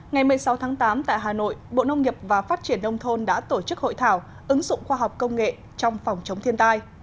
ngày một mươi sáu tháng tám tại hà nội bộ nông nghiệp và phát triển đông thôn đã tổ chức hội thảo ứng dụng khoa học công nghệ trong phòng chống thiên tai